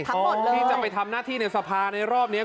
ทำหมดเลยที่จะไปทำหน้าที่ในสภาในรอบเนี้ย